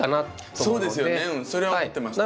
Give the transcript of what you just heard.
そうですよねそれは思ってました。